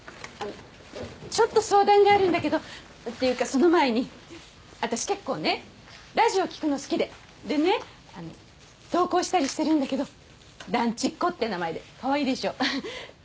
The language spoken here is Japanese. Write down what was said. ちょっと相談があるんだけどっていうかその前に私結構ねラジオ聴くの好きででね投稿したりしてるんだけど「団地っこ」って名前でかわいいでしょ？